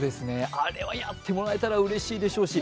あれはやってもらえたらうれしいでしょうし。